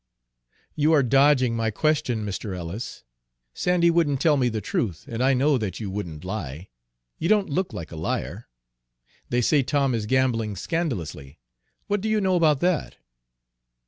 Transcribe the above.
"You are dodging my question, Mr. Ellis. Sandy wouldn't tell me the truth, and I know that you wouldn't lie, you don't look like a liar. They say Tom is gambling scandalously. What do you know about that?"